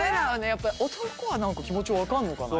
やっぱり男は何か気持ち分かんのかな。